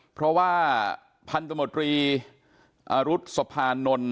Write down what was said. เพราะว่าภัณฑ์ตุมตรีอุทธ์สภานนล